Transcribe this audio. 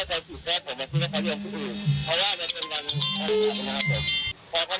ตอนนี้ผมเข้าระบีบไปพูด